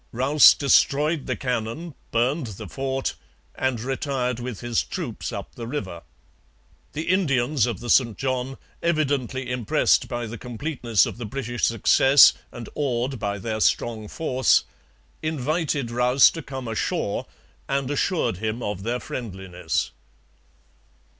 Rous destroyed the cannon, burned the fort, and retired with his troops up the river. The Indians of the St John, evidently impressed by the completeness of the British success and awed by their strong force, invited Rous to come ashore, and assured him of their friendliness.